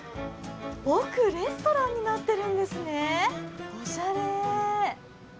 奥、レストランになってるんですねおしゃれ。